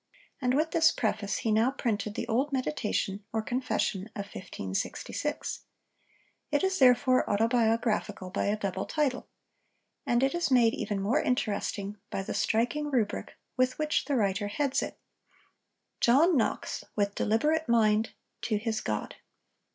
And with this preface he now printed the old meditation or confession of 1566. It is therefore autobiographical by a double title. And it is made even more interesting by the striking rubric with which the writer heads it. JOHN KNOX, WITH DELIBERATE MIND, TO HIS GOD.